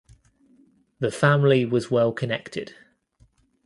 The family was well connected.